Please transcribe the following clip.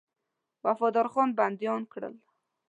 وفادارخان بنديان کړل.